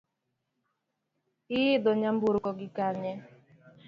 Iidho nyamburko gi kanye?